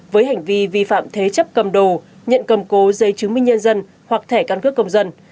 với hành vi vi phạm thế chấp cầm đồ nhận cầm cố dây chứng minh nhân dân hoặc thẻ căn cước công dân